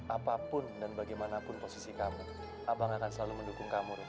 apapun dan bagaimanapun posisi kamu abang akan selalu mendukung kamu